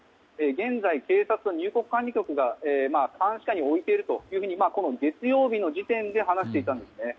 現在、警察や入国管理局が監視下に置いていると月曜日の時点で話していたんですね。